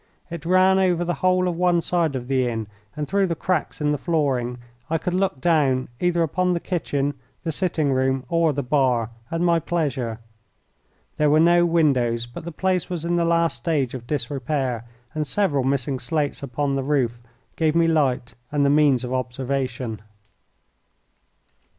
It ran over the whole of one side of the inn, and through the cracks in the flooring I could look down either upon the kitchen, the sitting room, or the bar at my pleasure. There were no windows, but the place was in the last stage of disrepair, and several missing slates upon the roof gave me light and the means of observation.